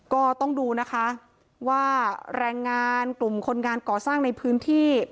ก็ต้องดูนะคะว่าแรงงานกลุ่มคนงานก่อสร้างในพื้นที่